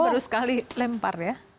baru sekali lempar ya